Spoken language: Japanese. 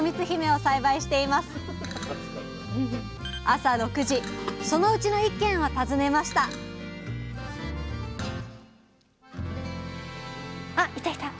朝６時そのうちの１軒を訪ねましたあいたいた！